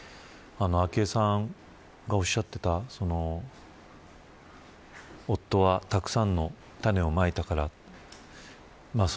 昭恵さんがおっしゃっていた夫はたくさんの種をまいたから。